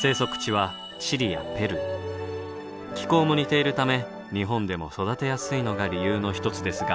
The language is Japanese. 気候も似ているため日本でも育てやすいのが理由の一つですが。